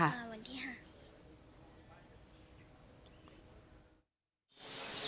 อ่าวันนี้ค่ะ